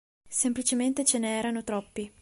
Semplicemente ce ne erano troppi.